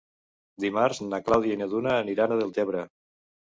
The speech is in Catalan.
Dimarts na Clàudia i na Duna aniran a Deltebre.